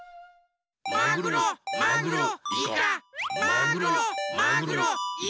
マグロマグロイカマグロマグロイカマグロ。